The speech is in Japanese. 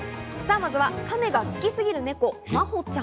まずはカメが好きすぎるネコ、まほちゃん。